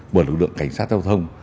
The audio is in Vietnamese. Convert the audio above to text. bởi lực lượng cảnh sát giao thông